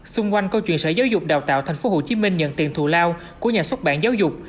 xung quanh câu chuyện sở giáo dục đào tạo tp hcm nhận tiền thù lao của nhà xuất bản giáo dục